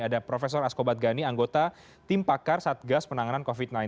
ada prof asko badgani anggota tim pakar satgas penanganan covid sembilan belas